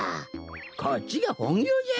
こっちがほんぎょうじゃよ。